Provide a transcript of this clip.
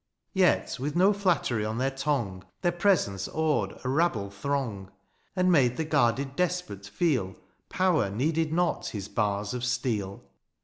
Yet tnth no flattery on their tongue Their presence awed a rabble throng ; And made the guarded despot feel Power needed not his bars of steel.